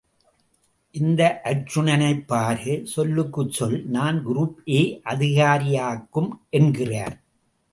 இந்த அர்ச்சுனனைப் பாரு, சொல்லுக்குச் சொல் நான் குரூப் ஏ அதிகாரியாக்கும் என்கிறார்.